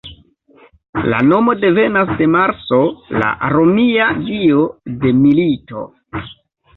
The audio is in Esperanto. La nomo devenas de Marso, la romia dio de milito.